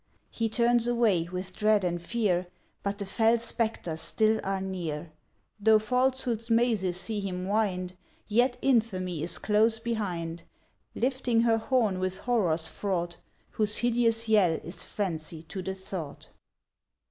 He turns away, with dread and fear, But the fell spectres still are near. Though Falsehood's mazes see him wind! Yet Infamy is close behind, Lifting her horn, with horrors fraught, Whose hideous yell is frenzy to the thought.